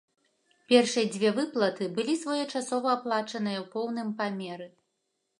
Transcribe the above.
Першыя дзве выплаты былі своечасова аплачаныя ў поўным памеры.